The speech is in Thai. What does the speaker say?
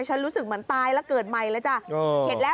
ฉันรู้สึกเหมือนตายแล้วเกิดใหม่แล้วจ้ะ